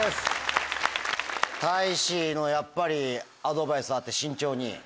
たいしのやっぱりアドバイスあって慎重に？